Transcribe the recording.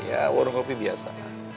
ya warung kopi biasa